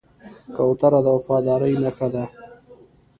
کوتره د وفادارۍ نښه ده.